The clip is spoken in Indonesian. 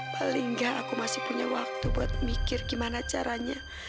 paling gak aku masih punya waktu buat mikir gimana caranya